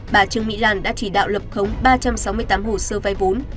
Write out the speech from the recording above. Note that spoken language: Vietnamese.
bà trương mỹ lan đã chỉ đạo lập khống ba trăm sáu mươi tám hồ sơ vai vốn